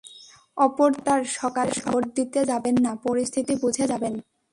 অপর তিন ভোটার সকালে ভোট দিতে যাবেন না, পরিস্থিতি বুঝে যাবেন।